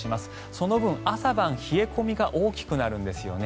その分、朝晩冷え込みが大きくなるんですよね。